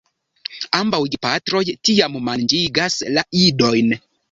Ambaŭ gepatroj tiam manĝigas la idojn.